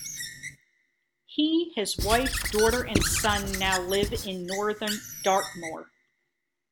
He, his wife, daughter and son now live in northern Dartmoor.